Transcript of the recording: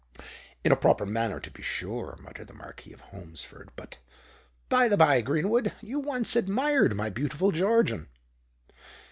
"In a proper manner, to be sure," muttered the Marquis of Holmesford. "But, by the by, Greenwood, you once admired my beautiful Georgian."